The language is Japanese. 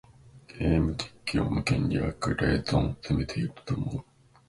ゲーム実況動画の権利はグレーゾーンを攻めていると思う。